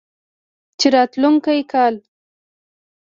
چې راتلونکی کال